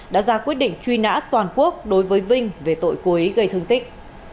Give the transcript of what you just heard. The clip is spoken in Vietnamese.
đã ra quyết định truy nã toàn quốc đối với vinh về tội cố ý gây thương tích